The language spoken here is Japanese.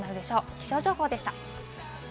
気象情報でした。